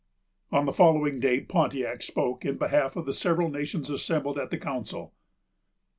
On the following day, Pontiac spoke in behalf of the several nations assembled at the council.